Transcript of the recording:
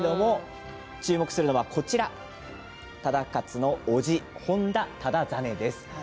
注目するのは忠勝の叔父、本多忠真です。